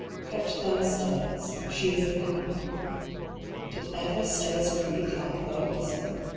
crept downstairs, shoes in hand. Did ever stairs creak like those